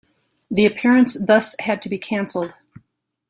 The appearance thus had to be cancelled.